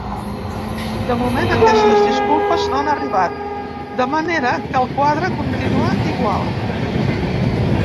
De moment, aquestes disculpes no han arribat, de manera que el quadre continua igual.